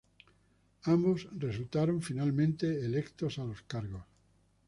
Ambos resultaron finalmente electos a los cargos.